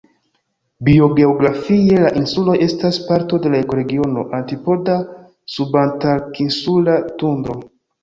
Biogeografie, la insuloj estas parto de la ekoregiono "antipoda-subantarktinsula tundro".